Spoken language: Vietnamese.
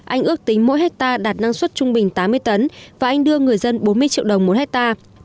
anh ước tính mỗi hectare đạt năng suất trung bình tám mươi tấn và anh đưa người dân bốn mươi triệu đồng một hectare